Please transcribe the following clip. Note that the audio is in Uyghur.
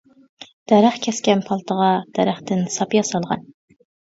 دەرەخ كەسكەن پالتىغا، دەرەختىن ساپ ياسالغان.